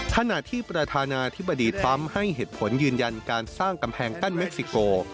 ขณะที่ประธานาธิบดีทรัมป์ให้เหตุผลยืนยันการสร้างกำแพงกั้นเม็กซิโก